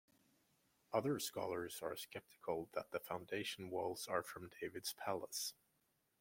Other scholars are skeptical that the foundation walls are from David's palace.